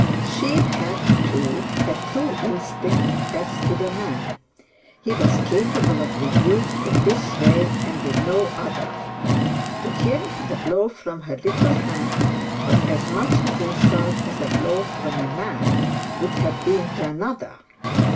She had, too, a true instinct as to the man; he was capable of rebuke in this way and in no other. To him the blow from her little hand was as much an insult as a blow from a man would have been to another.